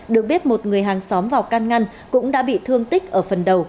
được biết một người hàng xóm vào can ngăn cũng đã bị thương tích ở phần đầu